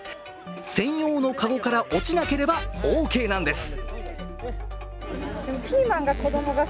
専用の籠から落ちなければオーケーなんです。